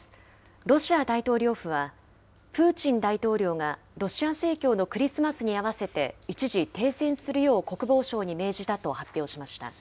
ロシア大統領府は、プーチン大統領がロシア正教のクリスマスに合わせて、一時停戦するよう国防相に命じたと発表しました。